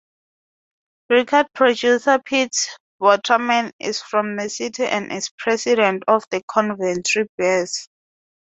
Record producer Pete Waterman is from the city and is president of Coventry Bears.